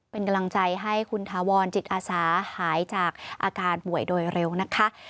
เป็นกำลังใจให้คุณถาวรจิตอาสาหายจากอาการป่วยโดยเร็วนะคะ